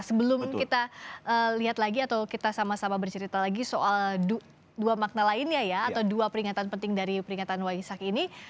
sebelum kita lihat lagi atau kita sama sama bercerita lagi soal dua makna lainnya ya atau dua peringatan penting dari peringatan waisak ini